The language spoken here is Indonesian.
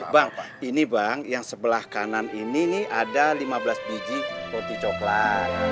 bang ini bang yang sebelah kanan ini ada lima belas biji roti coklat